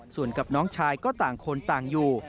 ส่วนกับน้องชายก็ต่างคนต่างอยู่